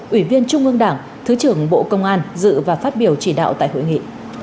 ủy viên trung ương đảng thứ trưởng bộ công an dự và phát biểu chỉ đạo tại hội nghị